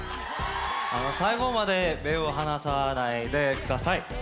最後まで目を離さないでください。